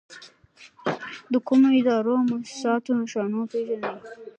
د کومو ادارو او مؤسساتو نښانونه پېژنئ؟